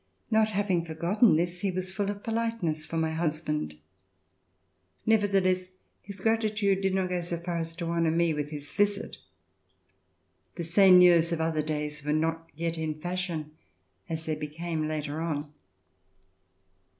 Not having forgotten this, he was full of politeness for my husband. Nevertheless, his gratitude did not go so far as to honor me with his visit. The seigneurs of other days were not yet in fashion, as they became later on.